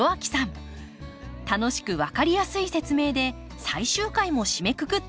楽しく分かりやすい説明で最終回も締めくくっていただきましょう。